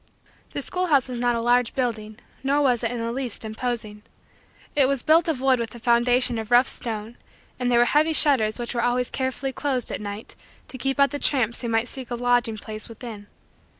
The schoolhouse was not a large building nor was it, in the least, imposing. It was built of wood with a foundation of rough stone and there were heavy shutters which were always carefully closed at night to keep out the tramps who might seek a lodging place within.